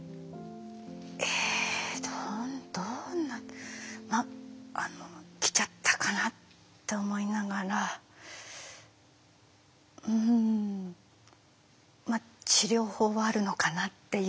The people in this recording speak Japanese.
えどんなあの来ちゃったかなって思いながらうんまあ治療法はあるのかなっていう